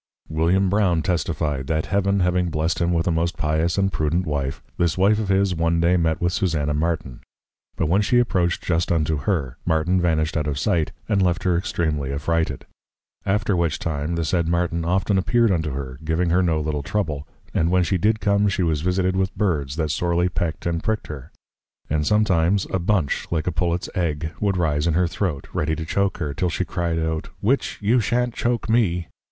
William Brown testifi'd, That Heaven having blessed him with a most Pious and Prudent Wife, this Wife of his, one day met with Susanna Martin; but when she approach'd just unto her, Martin vanished out of sight, and left her extreamly affrighted. After which time, the said Martin often appear'd unto her, giving her no little trouble; and when she did come, she was visited with Birds, that sorely peck'd and prick'd her; and sometimes, a Bunch, like a Pullet's Egg, would rise in her Throat, ready to choak her, till she cry'd out, _Witch, you shan't choak me!